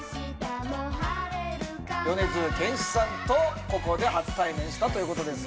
米津玄師さんとここで初対面したということです。